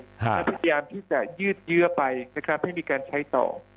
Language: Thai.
แล้วพยายามที่จะยืดเยื้อไปนะครับให้มีการใช้ต่อ